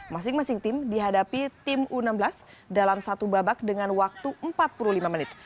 masing masing tim dihadapi tim u enam belas dalam satu babak dengan waktu empat puluh lima menit